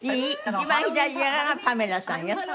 一番左側がパメラさんよ。